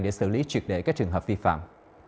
để xử lý truyệt đề các trường hợp vi phạm